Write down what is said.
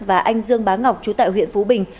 và anh dương bá ngọc chú tại huyện phú bình